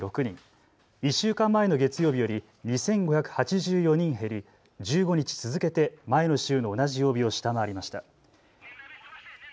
１週間前の月曜日より２５８４人減り１５日続けて前の週の同じ曜日を下回りました。